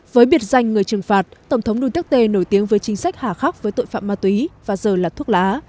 với biệt danh người trừng phạt tổng thống duterte nổi tiếng với chính sách hạ khắc với tội phạm ma túy và giờ là thuốc lá